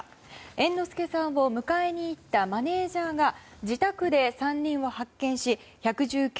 猿之助さんを迎えに行ったマネージャーが自宅で３人を発見し１１９